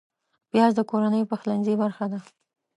پیاز د کورنۍ پخلنځي برخه ده